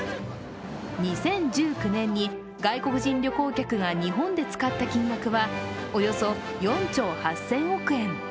２０１９年に外国人旅行客が日本で使った金額はおよそ４兆８０００億円。